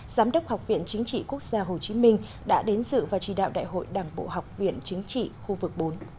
giám đốc học viện chính trị quốc gia hồ chí minh đã đến dự và chỉ đạo đại hội đảng bộ học viện chính trị khu vực bốn